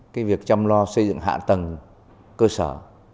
cái việc chăm lo xây dựng hạ tầng cơ sở